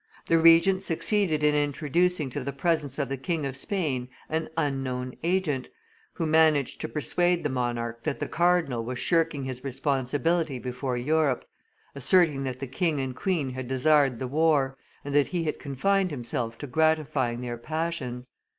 The Regent succeeded in introducing to the presence of the King of Spain an unknown agent, who managed to persuade the monarch that the cardinal was shirking his responsibility before Europe, asserting that the king and queen had desired the war, and that he had confined himself to gratifying their passions.